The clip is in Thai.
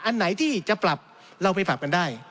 อันไหนที่จะปรับเราไปปรับกันได้